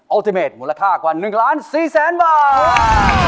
เทเมดมูลค่ากว่า๑ล้าน๔แสนบาท